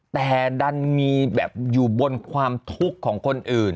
แต่ดันมีแบบอยู่บนความทุกข์ของคนอื่น